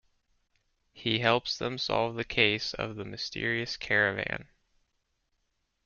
He helps them solve the case of the Mysterious Caravan.